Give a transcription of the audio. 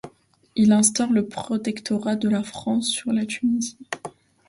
Il instaure le protectorat de la France sur la Tunisie.